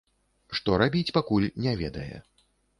Што рабіць, пакуль не ведае.